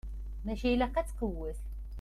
Maca ilaq ad tqewwet.